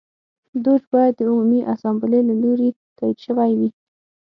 دوج باید د عمومي اسامبلې له لوري تایید شوی وای.